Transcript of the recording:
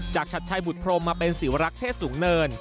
ชัดชัยบุตรพรมมาเป็นศิวรักษ์เทศสูงเนิน